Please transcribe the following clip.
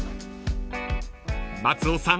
［松尾さん